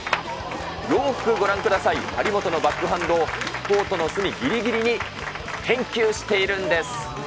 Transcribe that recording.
よーくご覧ください、張本のバックハンドを、コートの隅ぎりぎりに返球しているんです。